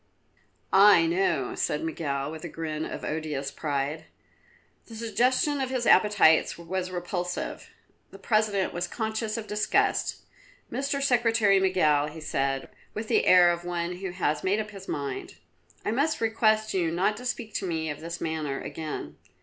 "I know," said Miguel with a grin of odious pride. The suggestion of his appetites was repulsive. The President was conscious of disgust. "Mr. Secretary Miguel," he said with the air of one who has made up his mind, "I must request you not to speak to me of this matter again.